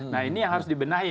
nah ini yang harus dibenahi